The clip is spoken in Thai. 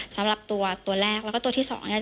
สำหรับตัวแรกแล้วก็ตัวที่สองเนี่ย